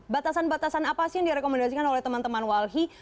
batasan batasan apa sih yang direkomendasikan oleh teman teman walhi